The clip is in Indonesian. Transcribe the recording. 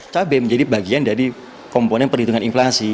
cabai menjadi bagian dari komponen perhitungan inflasi